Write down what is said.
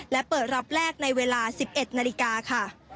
และเปิดรอบแรกในเวลา๑๑นาฬิกาค่ะ